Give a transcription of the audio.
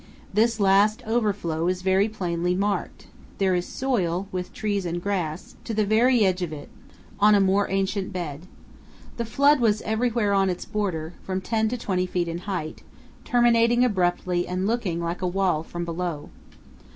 This last overflow is very plainly marked; there is soil, with trees and grass, to the very edge powell canyons 202.jpg CAVE LAKE IN KANAB CANYON. of it, on a more ancient bed. The flood was, everywhere on its border, from 10 to 20 feet in height, terminating abruptly and looking like a wall from below.